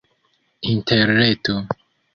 interreto